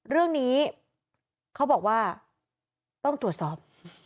เรื่องนี้เขาบอกว่าต้องตรวจสอบ